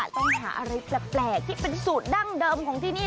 ต้องหาอะไรแปลกที่เป็นสูตรดั้งเดิมของที่นี่